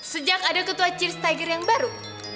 sejak ada ketua cheers tiger yang baru